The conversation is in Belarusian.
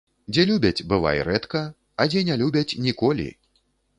Дзе любяць, бывай рэдка, а дзе ня любяць ‒ ніколі